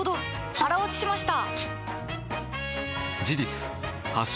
腹落ちしました！